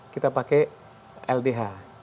kita pakai ldh